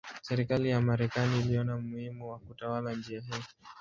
Serikali ya Marekani iliona umuhimu wa kutawala njia hii.